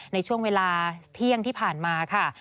ในช่วงเวลาเที่ยงที่ผ่านมาค่ะ